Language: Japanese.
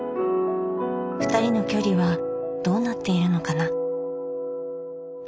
ふたりの距離はどうなっているのかな？